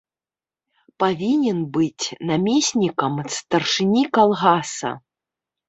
Павінен быць намеснікам старшыні калгаса.